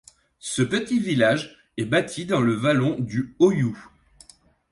Ce petit village est bâti dans le vallon du Hoyoux.